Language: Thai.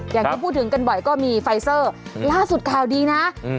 อย่างที่พูดถึงกันบ่อยก็มีไฟเซอร์ล่าสุดข่าวดีนะอืม